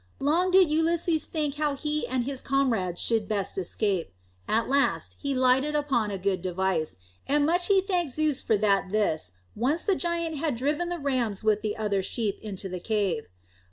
Long did Ulysses think how he and his comrades should best escape. At last he lighted upon a good device, and much he thanked Zeus for that this once the giant had driven the rams with the other sheep into the cave.